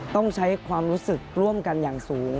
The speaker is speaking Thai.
ต้องใช้ความรู้สึกร่วมกันอย่างสูง